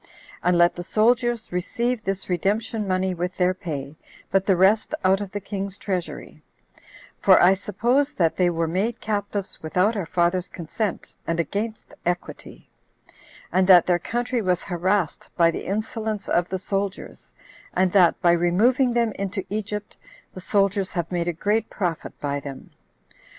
And let the soldiers receive this redemption money with their pay, but the rest out of the king's treasury: for I suppose that they were made captives without our father's consent, and against equity; and that their country was harassed by the insolence of the soldiers, and that, by removing them into Egypt, the soldiers have made a great profit by them.